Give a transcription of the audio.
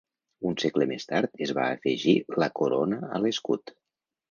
Un segle més tard es va afegir la corona a l'escut.